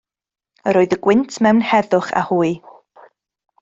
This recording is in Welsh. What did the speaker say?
Yr oedd y gwynt mewn heddwch â hwy.